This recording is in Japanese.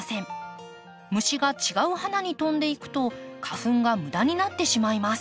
虫が違う花に飛んでいくと花粉が無駄になってしまいます。